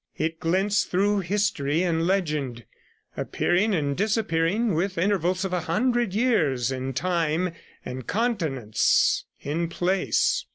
It glints through history and legend, appearing and disappearing, with intervals of a hundred years in time, and continents in place.